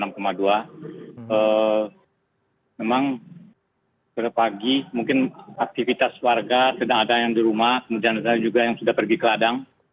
kemudian ada juga yang sudah pergi ke ladang